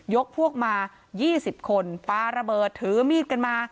ยกพวกมายี่สิบคนปาระเบิดถือมีดกันมา